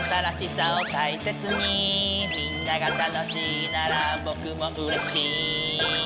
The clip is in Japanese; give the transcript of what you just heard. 「みんなが楽しいならぼくもうれしい」